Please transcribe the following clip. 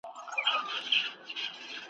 زه د میني زولانه یم زه د شمعي پر وانه یم .